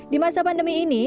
di masa pandemi ini